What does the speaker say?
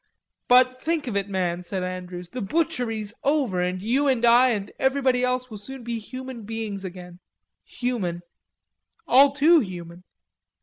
"But think of it, man," said Andrews, "the butchery's over, and you and I and everybody else will soon be human beings again. Human; all too human!"